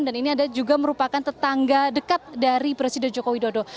dan ini ada juga merupakan tetangga dekat dari presiden joko widodo